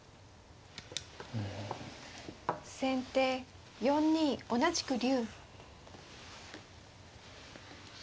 先手４二同じく竜。